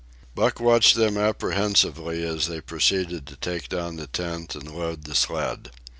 Buck watched them apprehensively as they proceeded to take down the tent and load the sled.